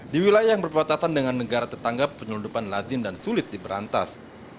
di wilayah yang berpatasan dengan negara tetangga penyelundupan lazim dan sulit diberantas